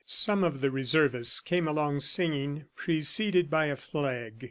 Some of the Reservists came along singing, preceded by a flag.